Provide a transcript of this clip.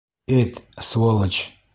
Эт, сволочь!